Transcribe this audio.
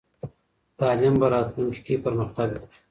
تعلیم به راتلونکې کې پرمختګ وکړي.